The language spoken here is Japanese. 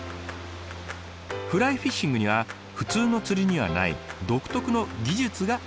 フライフィッシングには普通の釣りにはない独特の技術が必要です。